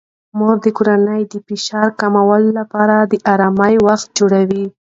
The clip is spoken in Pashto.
مور د کورنۍ د فشار کمولو لپاره د آرام وخت جوړوي.